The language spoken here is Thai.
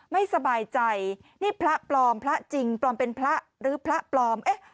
ไม่สบายใจนี่พระปลอมพระจริงปลอมเป็นพระหรือพระปลอม